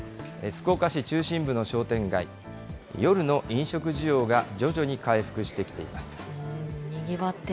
福岡市中心部の商店街、夜の飲食需要が徐々に回復してきています。